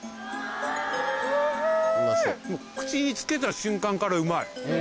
口につけた瞬間からうまい。